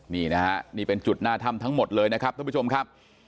นี่นะฮะนี่เป็นจุดหน้าถ้ำทั้งหมดเลยนะครับท่านผู้ชมครับ